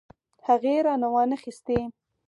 هغې رانه وانه خيستې.